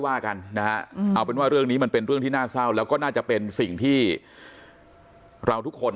ว่ากันนะฮะเอาเป็นว่าเรื่องนี้มันเป็นเรื่องที่น่าเศร้าแล้วก็น่าจะเป็นสิ่งที่เราทุกคน